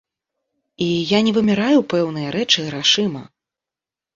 І я не вымяраю пэўныя рэчы грашыма.